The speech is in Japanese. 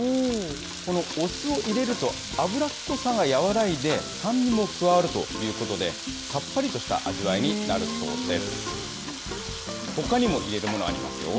このお酢を入れると、油っこさが和らいで、酸味も加わるということで、さっぱりとした味わいになるそうです。